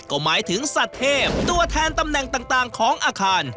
ก็หมายถึงสัตว์เทพตัวแทนตำแหน่งต่างของอาคาร